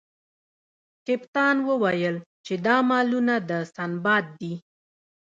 کپتان وویل چې دا مالونه د سنباد دي.